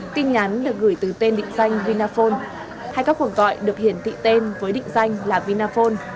tin nhắn được gửi từ tên định danh vinaphone hay các cuộc gọi được hiển thị tên với định danh là vinaphone